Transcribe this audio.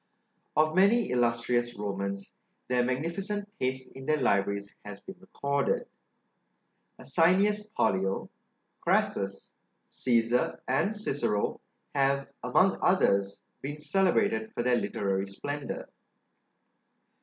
Of many illustrious Romans, their magnificent taste in their libraries has been recorded. Asinius Pollio, Crassus, Cæsar, and Cicero, have, among others, been celebrated for their literary splendor.